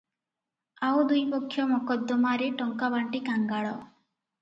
ଆଉ ଦୁଇ ପକ୍ଷ ମକଦ୍ଦମାରେ ଟଙ୍କା ବାଣ୍ଟି କାଙ୍ଗାଳ ।